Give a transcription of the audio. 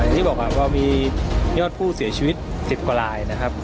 ที่บอกว่ามียอดผู้เสียชีวิต๑๐กว่าลายนะครับ